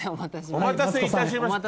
お待たせいたしました。